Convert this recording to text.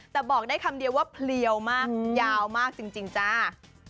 แต่บอกได้คำเดียวว่าเพลียวมากยาวมากจริงจ้า